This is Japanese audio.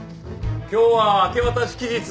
今日は明け渡し期日です。